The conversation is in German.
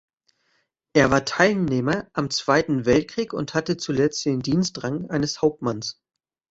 Er war Teilnehmer am Zweiten Weltkrieg und hatte zuletzt den Dienstrang eines Hauptmanns.